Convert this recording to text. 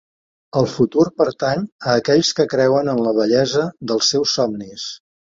El futur pertany a aquells que creuen en la bellesa dels seus somnis.